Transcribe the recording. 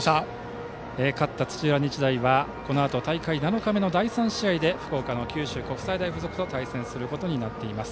勝った土浦日大はこのあと大会７日目、第３試合で福岡の九州国際大付属と対戦することになっています。